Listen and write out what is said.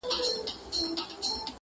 او نه ختمېدونکی اثر لري ډېر